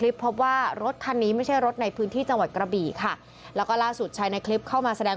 บอกว่าเขาไม่ได้ทิ้งขยะริมทาง